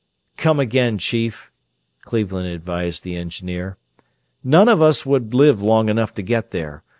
"Come again, Chief!" Cleveland advised the engineer. "None of us would live long enough to get there.